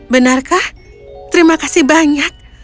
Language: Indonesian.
benarkah terima kasih banyak